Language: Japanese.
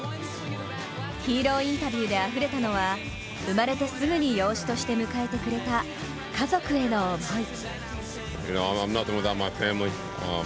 ヒーローインタビューであふれたのは生まれてすぐに養子として迎えてくれた家族への思い。